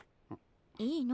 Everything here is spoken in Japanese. いいの？